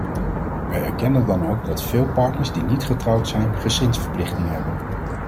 Wij erkennen dan ook dat veel partners die niet getrouwd zijn gezinsverplichtingen hebben.